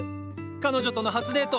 彼女との初デート！